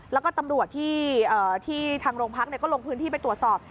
แล้วก็ตำรวจที่ทางโรงพักก็ลงพื้นที่ไปตรวจสอบ